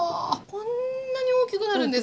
こんなに大きくなるんですか？